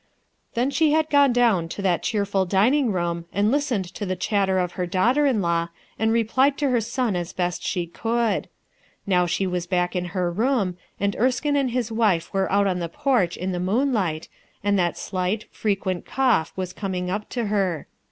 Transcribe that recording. Then she had gone down to that cheerful dining room, and listened to the chatter of her daughter in law, and replied to her son as best she could. Now she was back in her room, and Erskme and his wife were out on the porch in the moonlight, and that slight, frequent cough was ACCIDENT OR DESIGN? 163 coming up to her.